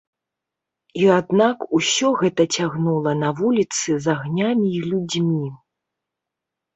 І, аднак, усё гэта цягнула на вуліцы з агнямі і людзьмі.